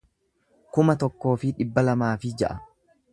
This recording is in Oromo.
kuma tokkoo fi dhibba lamaa fi ja'a